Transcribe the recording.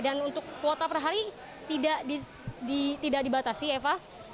dan untuk kuota per hari tidak dibatasi eva